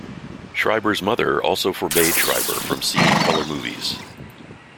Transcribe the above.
Schreiber's mother also forbade Schreiber from seeing color movies.